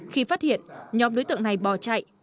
khi phát hiện nhóm đối tượng này bò chạy